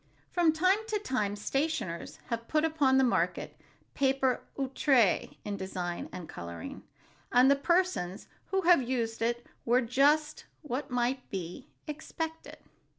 From time to time, stationers have put upon the market paper outré in design and coloring, and the persons who have used it were just what might be expected.